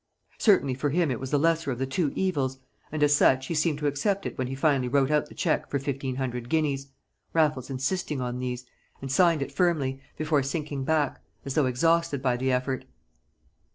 Certainly for him it was the lesser of the two evils, and as such he seemed to accept it when he finally wrote out the cheque for fifteen hundred guineas (Raffles insisting on these), and signed it firmly before sinking back as though exhausted by the effort.